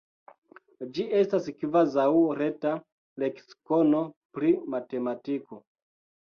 Ĝi estas kvazaŭ reta leksikono pri matematiko.